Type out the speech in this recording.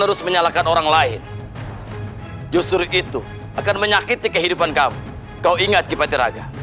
harus menyalahkan orang lain justru itu akan menyakiti kehidupan kamu kau ingat kibatnya